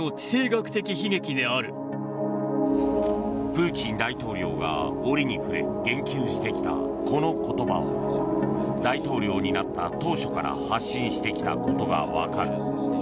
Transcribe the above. プーチン大統領が折に触れ言及してきた、この言葉は大統領になった当初から発信してきたことが分かる。